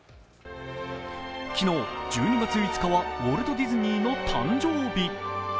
昨日、１２月５日はウォルト・ディズニーの誕生日。